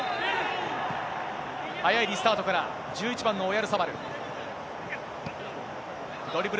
速いリスタートから、１１番のオヤルサバル。